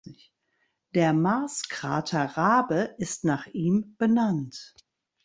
Der Marskrater Rabe ist nach ihm benannt.